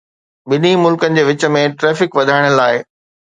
ٻنهي ملڪن جي وچ ۾ ٽرئفڪ کي وڌائڻ لاء.